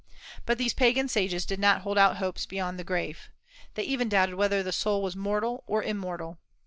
But these Pagan sages did not hold out hopes beyond the grave. They even doubted whether the soul was mortal or immortal.